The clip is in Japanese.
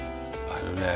あのね